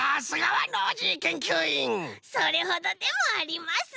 それほどでもあります。